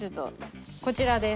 こちらです。